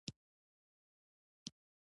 نن ورځ سعودي د نړۍ یو له بډایه هېوادونو څخه دی.